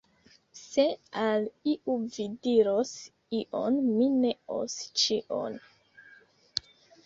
Se al iu vi diros ion, mi neos ĉion.